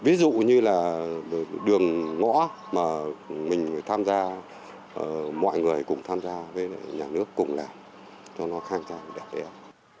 ví dụ như là đường ngõ mà mình tham gia mọi người cùng tham gia với nhà nước cùng làm cho nó khang trang đẹp đẽ